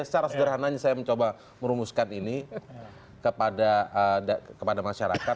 secara sederhananya saya mencoba merumuskan ini kepada masyarakat